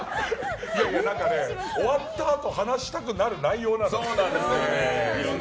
終わったあと、話したくなる内容なのよ。